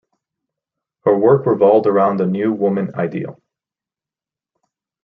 Her work revolved around the New Woman ideal.